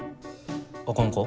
あかんか？